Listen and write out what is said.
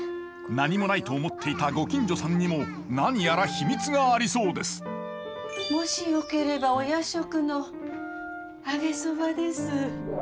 何もないと思っていたご近所さんにも何やら秘密がありそうですもしよければお夜食の揚げそばです。